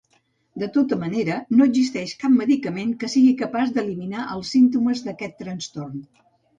De tota manera, no existeix cap medicament que sigui capaç d'eliminar els símptomes d'aquest trastorn.